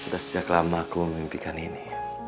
sudah sejak lama aku memimpikan ini